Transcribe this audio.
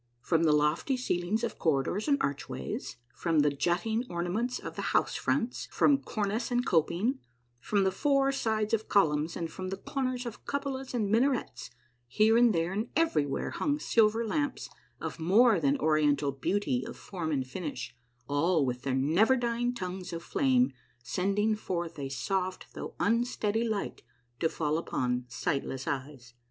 From the lofty ceilings of corridors and archways, from the jutting ornaments of the house fronts, from cornice and coping, from the four sides of columns, and from the corners of cupolas and minarets, here and there and everywhere hung silver lamps of more than Oriental beauty of form and finish, all with their never dying tongues of flame sending forth a soft though unsteady light to fall upon sightless eyes